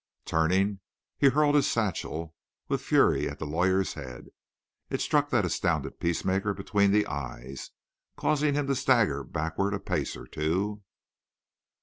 Turning, he hurled his satchel with fury at the lawyer's head. It struck that astounded peacemaker between the eyes, causing him to stagger backward a pace or two.